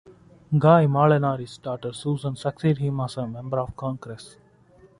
Guy Molinari's daughter Susan succeeded him as a member of Congress.